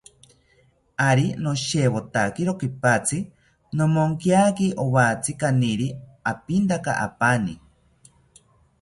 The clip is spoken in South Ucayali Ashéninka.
Ari noshewotakiro kipatzi, nomonkiaki owatzi kaniri apintaka apani